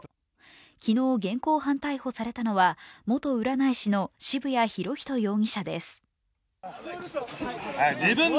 昨日現行犯逮捕されたのは元占い師の渋谷博仁容疑者です。